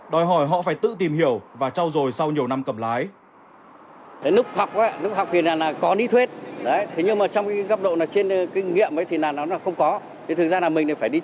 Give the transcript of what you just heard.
đòi hỏi họ phải tự tìm hiểu và trao dồi sau nhiều năm cầm lái